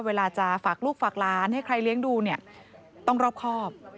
เวลาจะฝากลูกฝากร้านให้ใครเลี้ยงดูเนี่ยต้องรอบครอบ